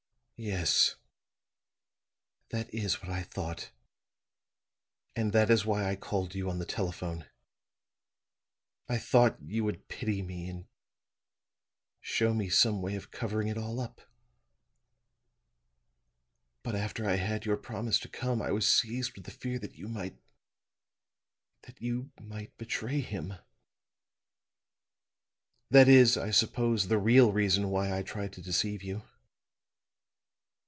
"Yes; that is what I thought, and that is why I called you on the telephone. I thought you would pity me and show me some way of covering it all up. But after I had your promise to come, I was seized with the fear that you might that you might betray him. That is, I suppose, the real reason why I tried to deceive you.